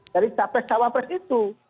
dari capres tawar itu